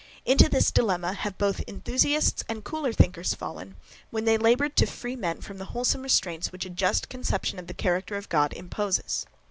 Into this dilemma have both enthusiasts and cooler thinkers fallen, when they laboured to free men from the wholesome restraints which a just conception of the character of God imposes.